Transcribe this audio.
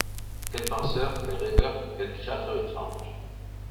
Quel penseur, quel rêveur, quel-créateur étrange